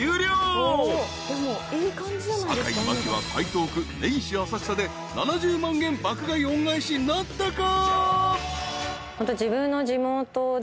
［坂井真紀は台東区根岸浅草で７０万円爆買い恩返しなったか？］